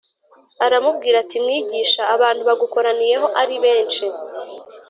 aramubwira ati mwigisha abantu bagukoraniyeho ari benshi